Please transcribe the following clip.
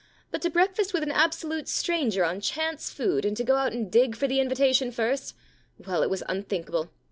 But to breakfast with an absolute stranger on chance food, and to go out and dig for the invitation first — well, it was unthinkable.